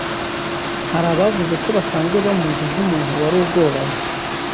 Hari abavuze ko basanzwe bamuzi nk’umuntu wari ugoranye